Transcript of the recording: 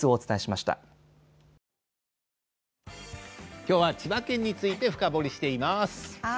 きょうは千葉県について深掘りしています。